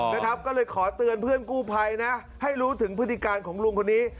นะครับก็เลยขอเตือนเพื่อนกู้ภัยนะให้รู้ถึงพฤติการของลุงคนนี้